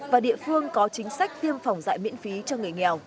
và địa phương có chính sách tiêm phòng dạy miễn phí cho người nghèo